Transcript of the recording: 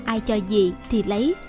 ai cho gì thì lấy